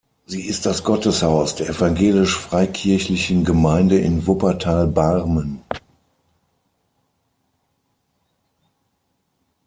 Sie ist das Gotteshaus der Evangelisch-Freikirchlichen Gemeinde in Wuppertal-Barmen.